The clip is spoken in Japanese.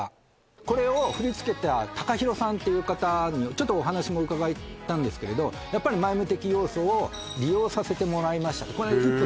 これを振り付けたＴＡＫＡＨＩＲＯさんっていう方ちょっとお話も伺ったんですけれどやっぱりマイム的要素を利用させてもらいました